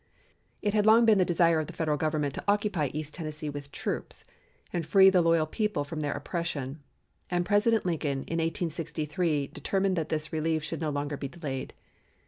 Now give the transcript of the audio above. It had long been the desire of the Federal Government to occupy East Tennessee with troops and free the loyal people from their oppression, and President Lincoln in 1863 determined that this relief should no longer be delayed.